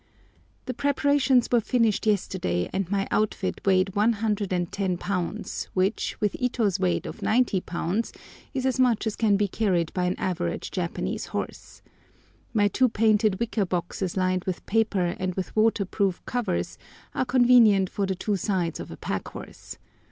The preparations were finished yesterday, and my outfit weighed 110 lbs., which, with Ito's weight of 90 lbs., is as much as can be carried by an average Japanese horse. My two painted wicker boxes lined with paper and with waterproof covers are convenient for the two sides of a pack horse.